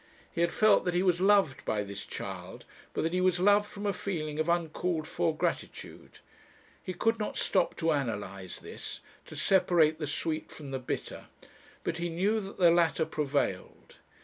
He had felt that he was loved by this child, but that he was loved from a feeling of uncalled for gratitude. He could not stop to analyse this, to separate the sweet from the bitter; but he knew that the latter prevailed.